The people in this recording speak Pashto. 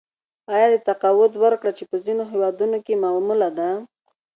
یا تقاعد ورکړه چې په ځینو هېوادونو کې معموله ده